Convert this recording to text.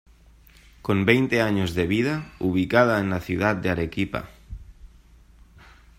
Con veinte años de vida, ubicada en la ciudad de Arequipa.